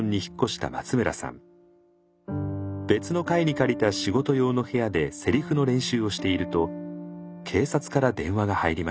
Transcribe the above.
別の階に借りた仕事用の部屋でセリフの練習をしていると警察から電話が入りました。